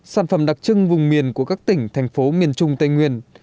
sản phẩm đặc trưng vùng miền của các tỉnh thành phố miền trung tây nguyên